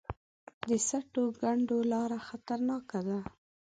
د سټو کنډو لاره خطرناکه ده